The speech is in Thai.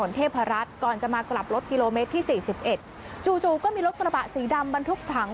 เทพรัฐก่อนจะมากลับรถกิโลเมตรที่สี่สิบเอ็ดจู่จู่ก็มีรถกระบะสีดำบรรทุกถัง